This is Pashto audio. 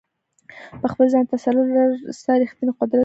په خپل ځان تسلط لرل ستا ریښتینی قدرت دی.